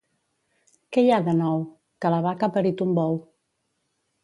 —Què hi ha de nou? —Que la vaca ha parit un bou.